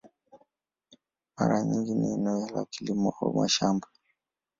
Mara nyingi ni eneo la kilimo au mashamba.